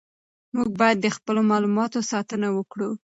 موږ باید د خپلو معلوماتو ساتنه وکړو.